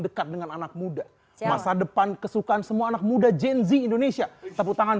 dekat dengan anak muda masa depan kesukaan semua anak muda gen z indonesia tepuk tangan